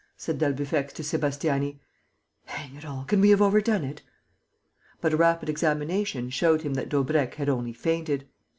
said d'Albufex to Sébastiani. "Hang it all, can we have overdone it?" But a rapid examination showed him that Daubrecq had only fainted.